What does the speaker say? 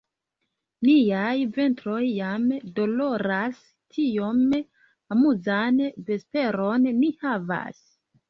Niaj ventroj jam doloras; tiom amuzan vesperon ni havas!